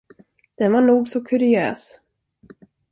Den var nog så kuriös.